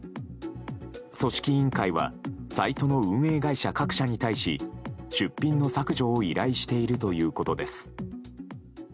組織委員会はサイトの運営会社各社に対し出品の削除を依頼しているということです。